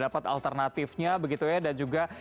dapat alternatifnya begitu ya dan juga